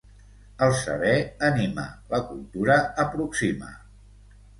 El saber anima, la cultura aproxima.